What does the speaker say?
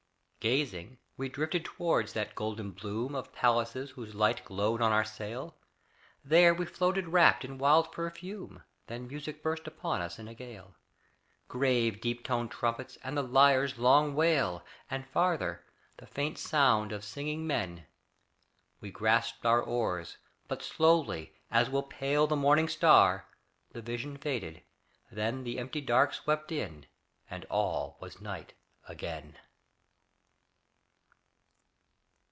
Gazing we drifted toward that golden bloom Of palaces whose light glowed on our sail; There we floated wrapped in wild perfume; Then music burst upon us in a gale; Grave, deep toned trumpets and the lyre's long wail, And farther, the faint sound of singing men. We grasped our oars but slowly, as will pale The morning star, the vision faded, then The empty dark swept in and all was night again!